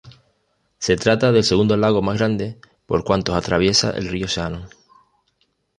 Se trata del segundo lago más grande por cuantos atraviesa el río Shannon.